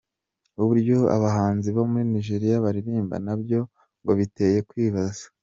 Uburyo abahanzi bo muri Nigeria baririmba nabyo ngo biteye kwibaza.